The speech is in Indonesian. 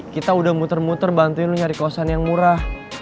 kita udah muter muter bantuin cari kosan yang murah